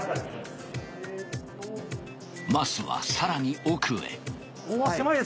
桝はさらに奥へ。